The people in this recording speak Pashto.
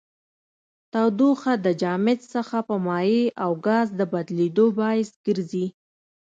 تودوخه د جامد څخه په مایع او ګاز د بدلیدو باعث ګرځي.